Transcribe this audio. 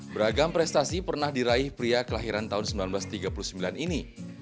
beragam prestasi pernah diraih pria kelahiran tahun seribu sembilan ratus tiga puluh sembilan ini